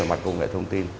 mặt công nghệ thông tin